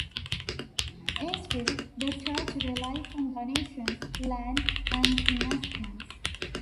Instead, the Church relies on donations, land and investments.